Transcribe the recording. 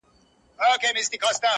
پېړۍ قرنونه کیږي؛